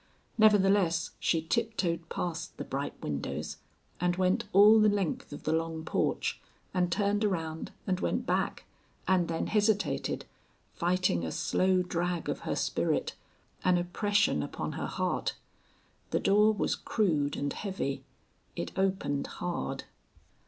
Nevertheless she tiptoed past the bright windows, and went all the length of the long porch, and turned around and went back, and then hesitated, fighting a slow drag of her spirit, an oppression upon her heart. The door was crude and heavy. It opened hard.